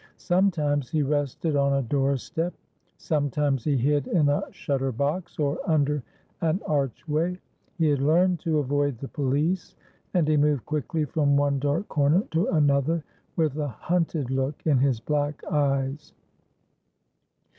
Sometimes he rested on a doorstep, sometimes he hid in a shutter box or under an archway. He had learned to avoid the police, and he moved quickly from one dark corner to another with a hunted look in his black eyes.